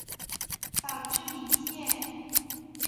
岛智里线